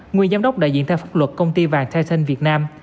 nguyên giám đốc đại diện theo pháp luật công ty vàng tayn việt nam